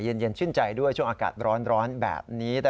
เย็นชื่นใจด้วยช่วงอากาศร้อนแบบนี้